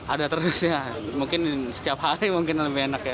ada terus ya mungkin setiap hari mungkin lebih enak ya